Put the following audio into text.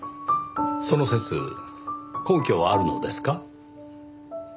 その説根拠はあるのですか？